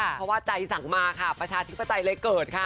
เพราะว่าใจสั่งมาค่ะประชาธิปไตยเลยเกิดค่ะ